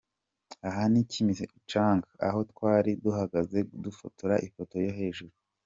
Aha ni Kimicanga, aho twari duhagaze dufotora ifoto yo hejuru.